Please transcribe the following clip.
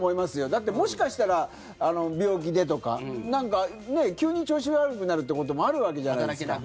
だって、もしかしたら病気でとか急に調子悪くなるってこともあるわけじゃないですか。